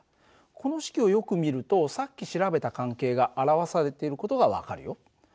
この式をよく見るとさっき調べた関係が表されている事が分かるよ。